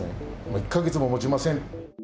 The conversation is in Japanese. １か月ももちません。